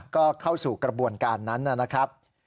ก็เข้าสู่กระบวนการนั้นนะครับ